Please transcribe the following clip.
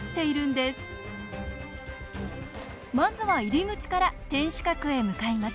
まずは入り口から天守閣へ向かいます。